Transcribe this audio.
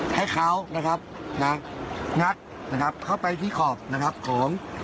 ให้เขานะครับนะงัดนะครับเข้าไปที่ขอบนะครับของ